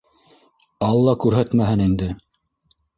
Алла күрһәтмәһен инде...